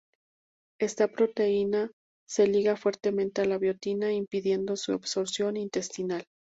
Esta proteína se liga fuertemente a la biotina impidiendo su absorción intestinal.